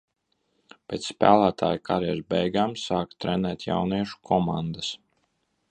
Pēc spēlētāja karjeras beigām sāka trenēt jauniešu komandas.